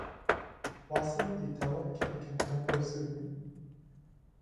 waso li tawa kepeken tenpo suli.